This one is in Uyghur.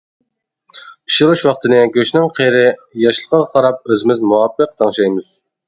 پىشۇرۇش ۋاقتىنى گۆشنىڭ قېرى، ياشلىقىغا قاراپ ئۆزىمىز مۇۋاپىق تەڭشەيمىز.